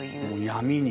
「闇」に。